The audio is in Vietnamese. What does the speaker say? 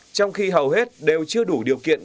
trong khi hầu hết đều chưa đủ điều kiện